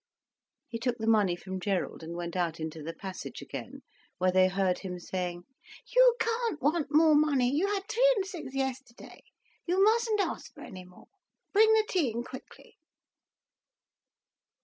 He took the money from Gerald and went out into the passage again, where they heard him saying, "You can't want more money, you had three and six yesterday. You mustn't ask for any more. Bring the tea in quickly."